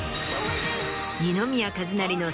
二宮和也の。